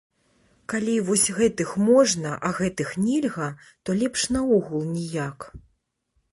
Калі вось гэтых можна, а гэтых нельга, то лепш наогул ніяк.